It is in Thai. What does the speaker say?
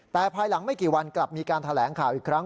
แต่ภายหลังไม่กี่วันกลับมีการแถลงข่าวอีกครั้ง